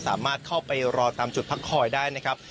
สามารถเข้าไปรอตามจุดพักคอยได้นะครับ